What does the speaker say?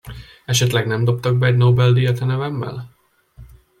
Esetleg nem dobtak be egy Nobel-díjat a nevemmel?